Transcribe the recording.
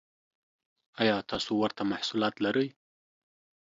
ایا تاسو ورته محصولات لرئ؟